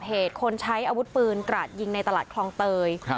เหตุคนใช้อาวุธปืนกราดยิงในตลาดคลองเตย